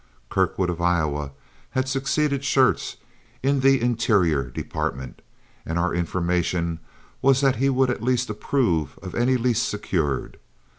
Kirkwood of Iowa had succeeded Schurz in the Interior Department, and our information was that he would at least approve of any lease secured.